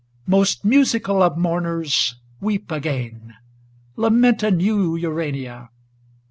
IV Most musical of mourners, weep again ! Lament anew, Urania